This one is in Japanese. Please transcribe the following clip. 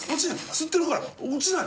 吸ってるから落ちない。